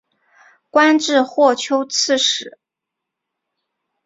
官至霍州刺史。